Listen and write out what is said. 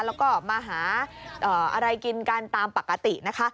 แล้วก็มาหาอะไรกินกันตามปกตินะคะ